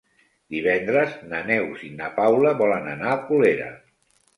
Divendres na Neus i na Paula volen anar a Colera.